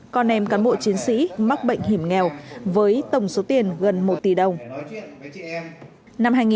con em cán bộ chiến sĩ mắc bệnh hiểm nghèo với tổng số tiền gần một tỷ đồng